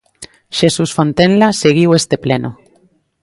Xesús Fontenla seguiu este pleno.